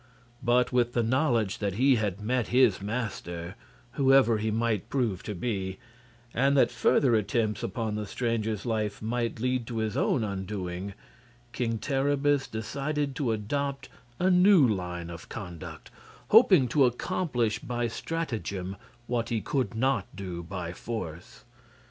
But with the knowledge that he had met his master, whoever he might prove to be, and that further attempts upon the stranger's life might lead to his own undoing, King Terribus decided to adopt a new line of conduct, hoping to accomplish by stratagem what he could not do by force.